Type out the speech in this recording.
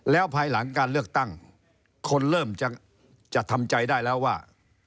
แล้วภายหลังการเลือกตั้งคนเริ่มจะทำใจได้แล้วว่า